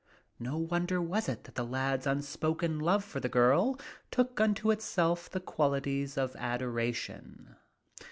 No wonder was it that the lad's unspoken love for the girl took unto itself the qualities of adoration.